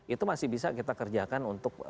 itu masih bisa kita kerjakan untuk